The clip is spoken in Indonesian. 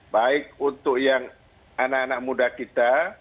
baik untuk yang anak anak muda kita